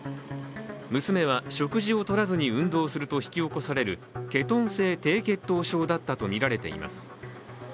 娘は食事をとらずに運動すると引き起こされる、ケトン性低血糖症だったとみられています。